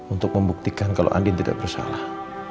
untuk membuktikan kalau andin tidak bersalah